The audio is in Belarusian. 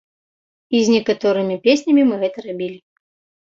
І з некаторымі песнямі мы гэта рабілі.